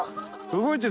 動いてる。